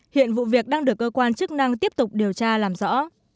hiện vụ việc đang được cơ quan chức năng tiếp tục điều tra làm rõ